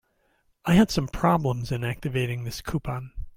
I had some problems in activating this coupon.